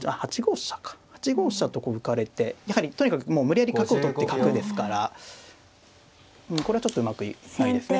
８五飛車とこう浮かれてやはりとにかくもう無理やり角を取って角ですからこれはちょっとうまくないですね。